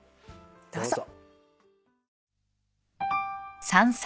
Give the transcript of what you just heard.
どうぞ。